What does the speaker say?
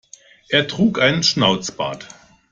Er trug einen Schnauzbart.